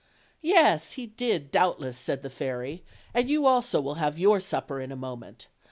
"Yes! he did doubtless," said the fairy, "and you also will have your supper in a moment.